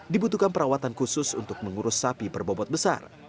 dibutuhkan perawatan khusus untuk mengurus sapi berbobot besar